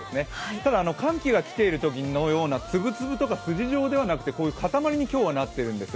ただ、寒気が来ているときの粒々とか筋状ではなくてかたまりに今日はなっているんですよ。